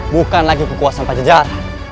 bukan lagi kekuasaan pajajara